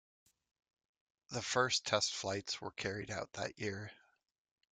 The first test flights were carried out that year.